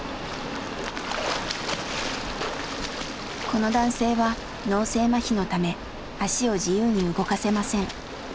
この男性は脳性まひのため足を自由に動かせません。